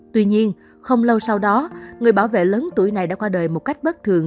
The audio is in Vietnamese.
tuy nhiên không lâu sau đó người bảo vệ lớn tuổi này đã qua đời một cách bất thường